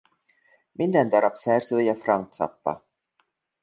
Minden darab szerzője Frank Zappa.